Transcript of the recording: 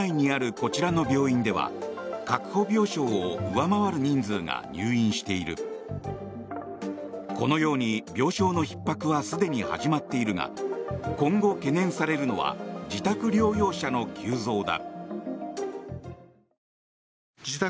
このように病床のひっ迫はすでに始まっているが今後懸念されるのは自宅療養者の急増だ。